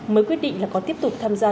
mới quyết định là có tiếp tục tham gia